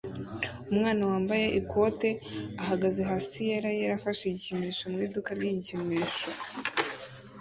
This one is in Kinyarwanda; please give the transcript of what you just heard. Umwana wambaye ikote ahagaze hasi yera yera afashe igikinisho mu iduka ry igikinisho